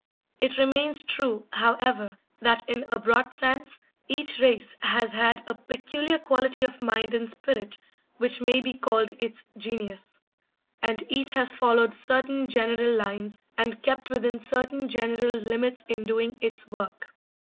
It remains true, however, that, in a broad sense, each race has had a peculiar quality of mind and spirit which may be called its genius, and each has followed certain general lines and kept within certain general limits in doing its work.